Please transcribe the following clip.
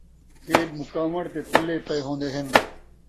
کھیݙ مُکاوݨ تے تَلّے پئے ہون٘دے ہِن۔